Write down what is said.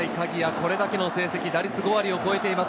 これだけの成績、打率５割を超えています。